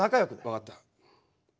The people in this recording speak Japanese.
分かった。